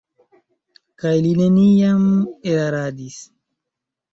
Kaj li neniam eraradis.